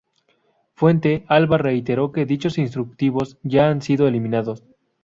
Fuente-Alba reiteró que dichos instructivos ya han sido eliminados.